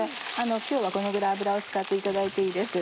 今日はこのぐらい油を使っていただいていいです。